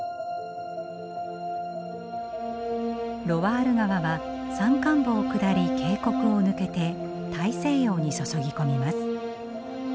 ロワール川は山間部を下り渓谷を抜けて大西洋に注ぎ込みます。